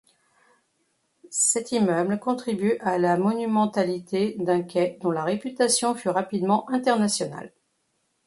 Cet immeuble contribue à la monumentalité d’un quai dont la réputation fut rapidement internationale.